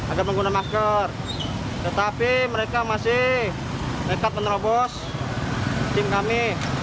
agar menggunakan masker tetapi mereka masih nekat menerobos tim kami